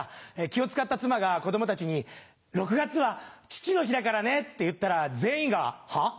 気を使った妻が子供たちに「６月は父の日だからね」って言ったら全員が「はぁ？